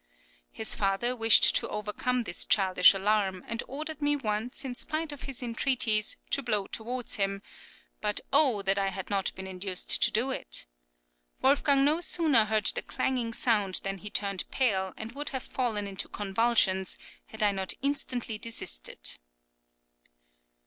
His father wished to overcome this childish alarm, and ordered me once, in spite of his entreaties, to blow towards him; but, O! that I had not been induced to do it. Wolfgang no sooner heard the clanging sound than he turned pale, and would have fallen into convulsions, had I not instantly desisted.